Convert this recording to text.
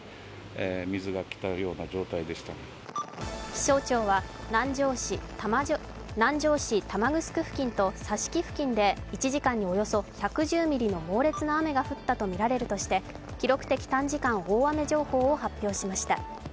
気象庁は南城市玉城付近と佐敷付近で１時間におよそ１１０ミリの猛烈な雨が降ったとみられるとして記録的短時間大雨情報を発表しました。